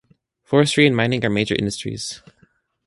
Forestry and mining are major industries.